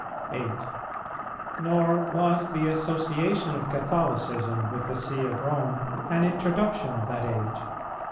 8. Nor was the association of Catholicism with the See of Rome an introduction of that age.